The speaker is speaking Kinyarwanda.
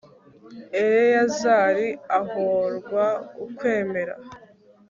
eleyazari ahorwa ukwemera